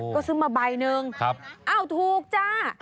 ก็ซื้อมาใบหนึ่งอ้าวถูกจ้า